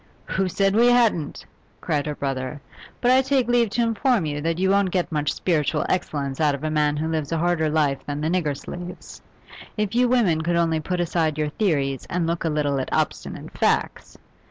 'Who said we hadn't?' cried her brother. 'But I take leave to inform you that you won't get much spiritual excellence out of a man who lives a harder life than the nigger slaves. If you women could only put aside your theories and look a little at obstinate facts!